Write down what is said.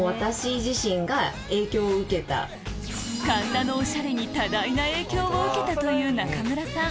神田のおしゃれに多大な影響を受けたという仲村さん